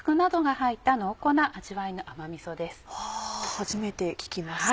初めて聞きました。